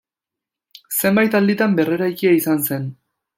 Zenbait alditan berreraikia izan zen.